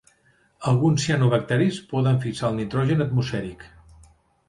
Alguns cianobacteris poden fixar el nitrogen atmosfèric.